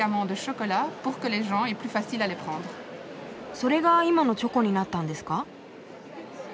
それが今のチョコになったんですか？